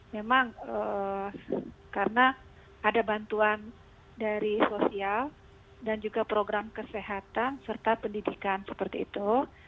memang karena ada bantuan dari sosial dan juga program kesehatan serta pendidikan seperti itu